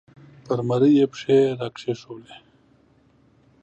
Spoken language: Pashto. پر مرۍ یې پښې را کېښودې